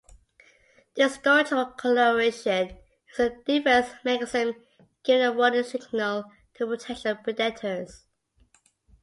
This structural coloration is a defense mechanism, giving a warning signal to potential predators.